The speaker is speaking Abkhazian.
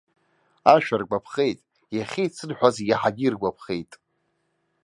Ашәа ргәаԥхеит, иахьеицырҳәаз иаҳагьы иргәаԥхеит.